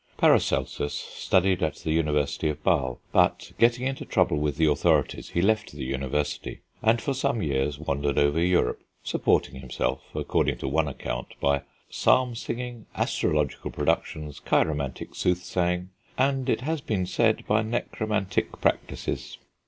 Paracelsus studied at the University of Basle; but, getting into trouble with the authorities, he left the university, and for some years wandered over Europe, supporting himself, according to one account, by "psalm singing, astrological productions, chiromantic soothsaying, and, it has been said, by necromantic practices."